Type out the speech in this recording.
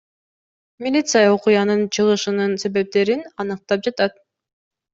Милиция окуянын чыгышынын себептерин аныктап жатат.